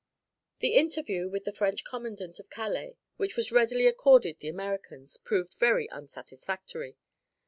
The interview with the French commandant of Calais, which was readily accorded the Americans, proved very unsatisfactory.